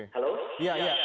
itu pertanyaan pertantungan